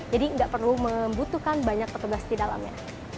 jadi tidak perlu membutuhkan banyak petugas di dalamnya